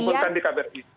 ya dikumpulkan di kbri